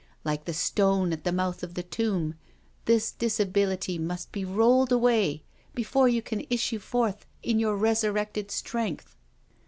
Like the stone at the mouth of the tomb^ this disability must be rolled away before you can issue forth in your resurrected strength.